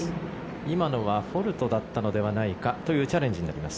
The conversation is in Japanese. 今のはフォールトだったのではないかというチャレンジになります。